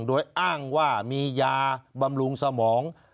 โดยอ้างว่ามียาบำรุงสมอง